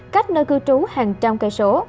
cách nơi cư trú hàng trăm cây sổ